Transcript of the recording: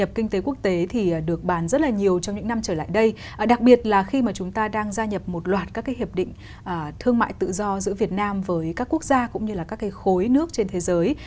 hội nhập kinh tế quốc tế được bàn rất nhiều trong những năm trở lại đây đặc biệt là khi chúng ta đang gia nhập một loạt các hiệp định thương mại tự do giữa việt nam với các quốc gia cũng như các khối nước trên thế giới